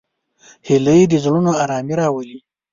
هیلۍ د زړونو آرامي راولي